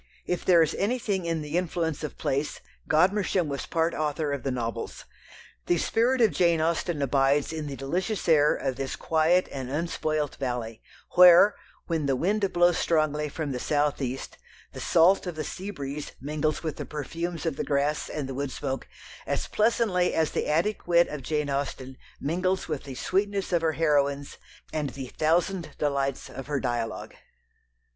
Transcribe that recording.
If there is anything in the influence of place, Godmersham was part author of the novels. The spirit of Jane Austen abides in the delicious air of this quiet and unspoilt valley, where, when the wind blows strongly from the south east, the salt of the sea breeze mingles with the perfumes of the grass and the wood smoke as pleasantly as the Attic wit of Jane Austen mingles with the sweetness of her heroines and the thousand delights of her dialogue.